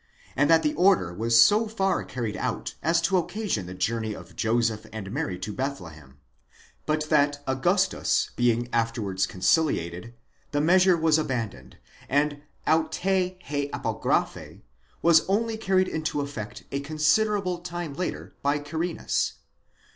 and that the order was so far carried out as to occasion the journey of Joseph and Mary to Bethlehem; but that Augustus being afterwards conciliated, the measure was abandoned, and αὐτὴ ἡ ἀπογραφὴ was: only carried into effect a considerable time later, by Quirinus.